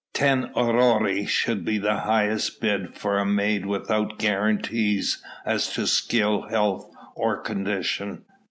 Ten aurei should be the highest bid for a maid without guarantees as to skill, health or condition.